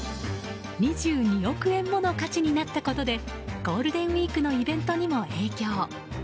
２２億円もの価値になったことでゴールデンウィークのイベントにも影響。